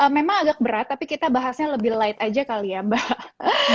memang agak berat tapi kita bahasnya lebih light aja kali ya mbak